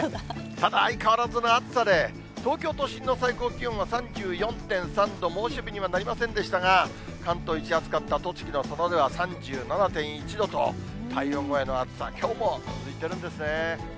ただ、相変わらずの暑さで、東京都心の最高気温は３４．３度、猛暑日にはなりませんでしたが、関東一暑かった栃木の佐野では３７．１度と、体温超えの暑さ、きょうも続いてるんですね。